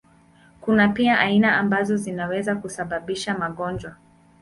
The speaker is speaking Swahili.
Kuna pia aina ambazo zinaweza kusababisha magonjwa.